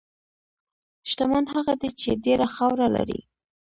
شتمن هغه دی چې ډېره خاوره لري.